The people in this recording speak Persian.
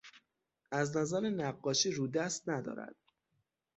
از نظر نقاشی رودست ندارد.